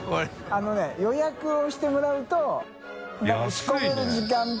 あのね予約をしてもらうと仕込みの時間と。